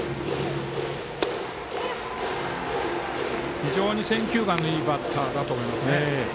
非常に選球眼のいいバッターだと思います。